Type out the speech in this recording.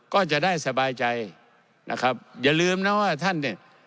ก็จะได้สบายใจนะครับอย่าลืมนะว่าท่านเนี่ย